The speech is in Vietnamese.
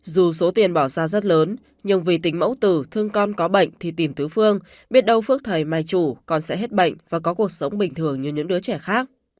dù số tiền bỏ ra rất lớn nhưng vì tính mẫu tử thương con có bệnh thì tìm tứ phương biết đâu phước thời mài chủ con sẽ hết bệnh và có cuộc sống bình thường như những đứa trẻ khác